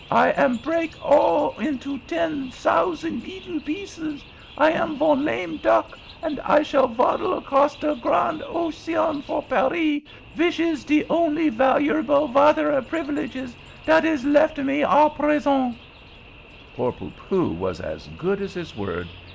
I am break all into ten sousan leetle pieces! I am von lame duck, and I shall vaddle across de gran ocean for Paris, vish is de only valuarble vatare privalege dat is left me à present!" Poor Poopoo was as good as his word.